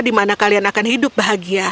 di mana kalian akan hidup bahagia